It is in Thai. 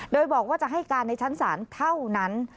โดยบอกว่าจะให้การในชั้นศาลเท่านั้น